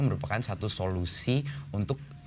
merupakan satu solusi untuk